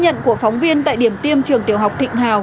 nhận của phóng viên tại điểm tiêm trường tiểu học thịnh hào